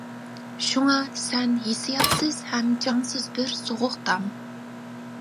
شۇڭا سەن ھېسسىياتسىز ھەم جانسىز بىر سوغۇق تام.